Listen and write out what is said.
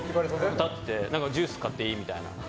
ジュース買っていい？みたいな。